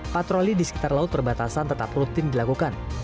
patroli di sekitar laut perbatasan tetap rutin dilakukan